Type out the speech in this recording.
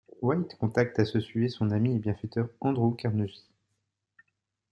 White contacte à ce sujet son ami et bienfaiteur Andrew Carnegie.